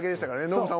ノブさん